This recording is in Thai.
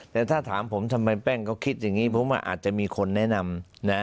แต่ถ้าถามผมทำไมแป้งเขาคิดอย่างนี้ผมว่าอาจจะมีคนแนะนำนะ